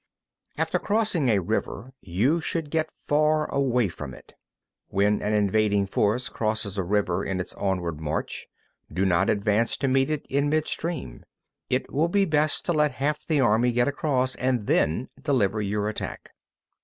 3. After crossing a river, you should get far away from it. 4. When an invading force crosses a river in its onward march, do not advance to meet it in mid stream. It will be best to let half the army get across, and then deliver your attack.